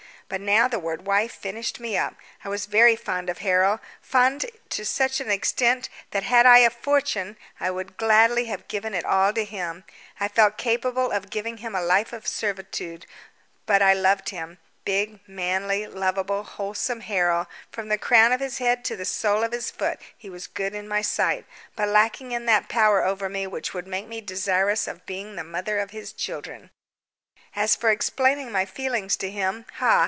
But now the word wife finished me up. I was very fond of Harold fond to such an extent that had I a fortune I would gladly have given it all to him: I felt capable of giving him a life of servitude, but I loved him big, manly, lovable, wholesome Harold from the crown of his head to the sole of his foot he was good in my sight, but lacking in that power over me which would make me desirous of being the mother of his children. As for explaining my feelings to him ha!